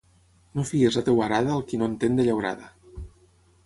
No fiïs la teva arada al qui no entén de llaurada.